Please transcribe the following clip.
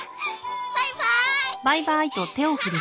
バイバーイ。